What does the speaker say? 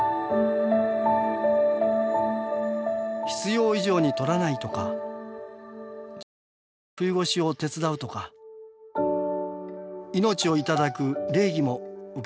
必要以上にとらないとか女王バチの冬越しを手伝うとか命をいただく礼儀も受け継がれていました。